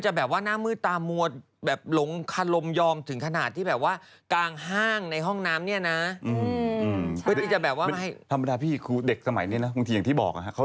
อยากก็อยากให้มันมีเหตุมีผลได้ไหมอ่ะเออไม่ทำเหมือนเดิมเนอะ